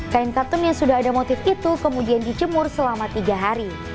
kain kartun yang sudah ada motif itu kemudian dijemur selama tiga hari